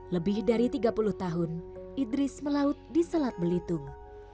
lebih dari tiga puluh tahun idris melaut di selat belitung